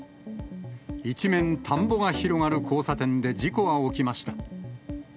一面、田んぼが広がる交差点で事故は起きました。